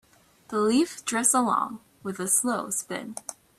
The leaf drifts along with a slow spin.